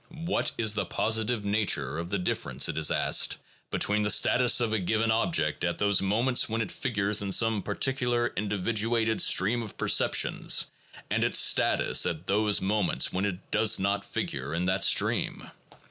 What is the positive nature of the difference, it is asked, between the status of a given object at those moments when it figures in some particular individuated stream of perceptions, and its status at those moments when it does not figure in that stream?